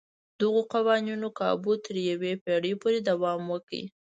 دغو قوانینو کابو تر یوې پېړۍ پورې دوام وکړ.